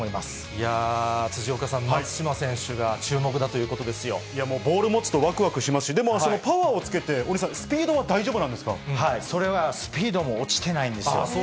いやー、辻岡さん、松島選手もうボール持つとわくわくしますし、でも、パワーをつけて、大西さん、スピードは大丈夫なんそれは、スピードも落ちてなそうなんですね。